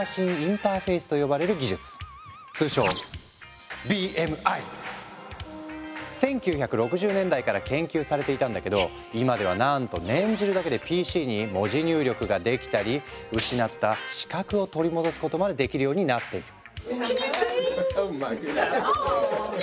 通称１９６０年代から研究されていたんだけど今ではなんと念じるだけでＰＣに文字入力ができたり失った視覚を取り戻すことまでできるようになっている。